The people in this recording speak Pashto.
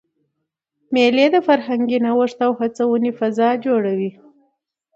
مېلې د فرهنګي نوښت او هڅوني فضا جوړوي.